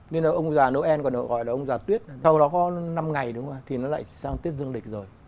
nên là ông già noel còn gọi là ông già tuyết sau đó có năm ngày đúng không thì nó lại sang tết dương lịch rồi